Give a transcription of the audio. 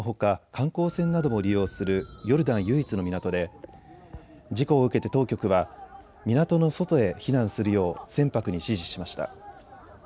観光船なども利用するヨルダン唯一の港で事故を受けて当局は港の外へ避難するよう船舶に指示しました。